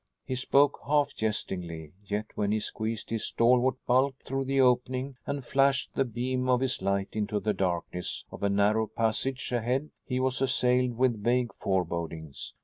He spoke half jestingly, yet when he squeezed his stalwart bulk through the opening and flashed the beam of his light into the darkness of a narrow passage ahead he was assailed with vague forebodings.